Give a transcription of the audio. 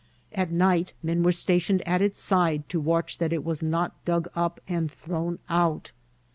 At night men were stationed at its side to watch that it was not dug up and thrown out.